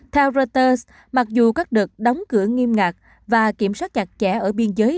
theo reuters mặc dù các đợt đóng cửa nghiêm ngặt và kiểm soát chặt chẽ ở biên giới